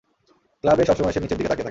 ক্লাবে সবসময় সে নীচের দিকে তাকিয়ে থাকে।